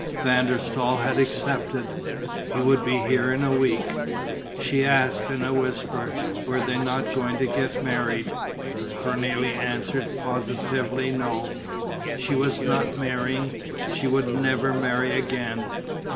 Van der Staal had accepted: he would be here in a week. She asked, in a whisper, were they not going to get married? Cornélie answered positively no; she was not marrying, she would never marry again.